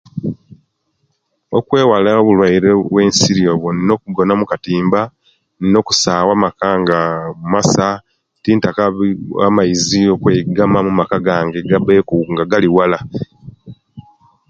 Okwewala obulwaire obwensiri obwo nikwo okugona omukatimba inina okusawa amaka nga masa tintaka amaizi okwegama omumaka gange gabe ku nga gali wala